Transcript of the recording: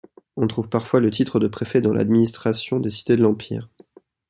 On trouve parfois le titre de préfet dans l'administration des cités de l'empire.